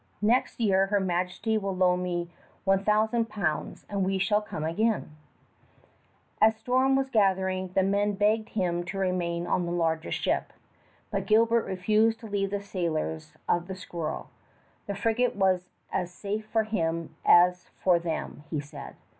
"Next year her Majesty will loan me 1000 pounds, and we shall come again." [Illustration: SIR WALTER RALEIGH] As storm was gathering, the men begged him to remain on the larger ship, but Gilbert refused to leave the sailors of the Squirrel. The frigate was as safe for him as for them, he said.